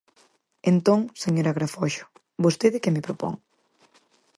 Entón, señora Agrafoxo, ¿vostede que me propón?